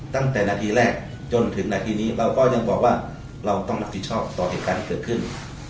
ตั้งแต่นาทีแรกจนถึงนาทีนี้เราก็ยังบอกว่าเราต้องรับผิดชอบต่อเหตุการณ์ที่เกิดขึ้น